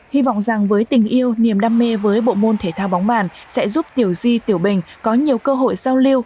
hy vọng rằng với tình yêu niềm đam mê với bộ môn thể thao bóng bàn sẽ giúp tiểu di tiểu bình có nhiều cơ hội giao lưu